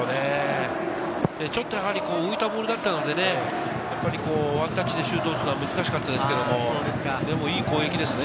ちょっと浮いたボールだったので、ワンタッチでシュートを打つのは難しかったですけど、でもいい攻撃ですね。